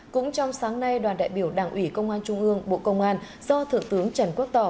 cũng trong sáng nay đoàn đại biểu đảng ủy công an trung ương bộ công an do thượng tướng trần quốc tỏ